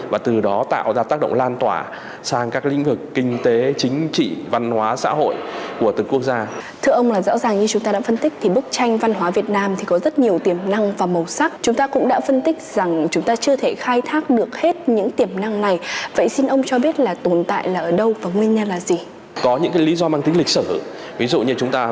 và từ đó thì chúng ta tạo ra được cái xu hướng cái lợi thế cho phát triển các ngành công nghiệp văn hóa